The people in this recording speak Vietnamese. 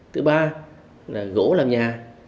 thứ ba là gỗ làm nhà